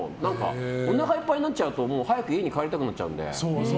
おなかいっぱいになっちゃうと早く家に帰りたくなっちゃうので。